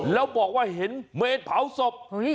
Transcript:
แล้วบอกว่าเห็นเมนเผาศพ